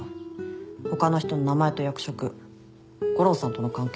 他の人の名前と役職悟郎さんとの関係